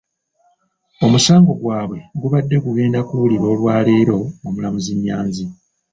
Omusango gwabwe gubadde gugenda kuwulirwa olwaleero omulamuzi Nyanzi.